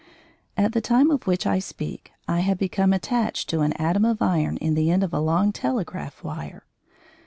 At the time of which I speak, I had become attached to an atom of iron in the end of a long telegraph wire.